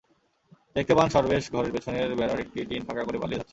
দেখতে পান সরবেশ ঘরের পেছনের বেড়ার একটি টিন ফাঁকা করে পালিয়ে যাচ্ছেন।